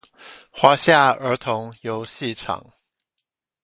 華夏兒童遊戲場